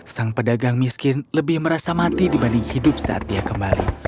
sang pedagang miskin lebih merasa mati dibanding hidup saat dia kembali